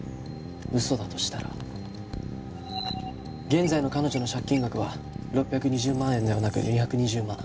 現在の彼女の借金額は６２０万円ではなく２２０万。